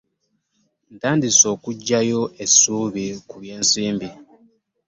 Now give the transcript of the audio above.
Ntandise okuggyayo essuubi ku by'ensimbi.